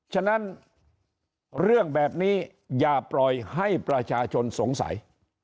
ฉะนั้นเรื่องแบบนี้อย่าปล่อยให้ประชาชนสงสัย